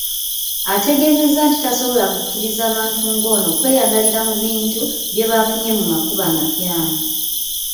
Ategeeza nti tasobola kukkiriza bantu ng'ono kweyagalira mu bintu bye bafunye mu makubo amakyamu.